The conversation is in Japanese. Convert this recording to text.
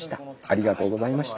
ありがとうございます。